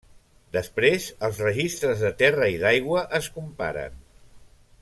Després els registres de terra i d’aigua es comparen.